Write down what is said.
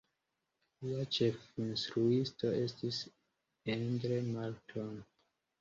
Lia ĉefinstruisto estis Endre Marton.